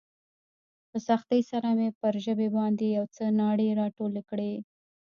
په سختۍ سره مې پر ژبې باندې يو څه ناړې راټولې کړې.